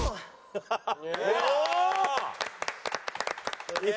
ハハハハ！